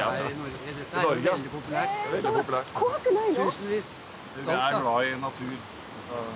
怖くないの？